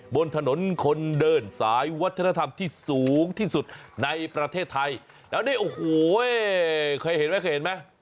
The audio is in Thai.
บนถนนคนเดินสายวัฒนธรรมที่สูงที่สุดในประเทศไทยแล้วนี่โอ้โหเคยเห็นไหมเคยเห็นไหม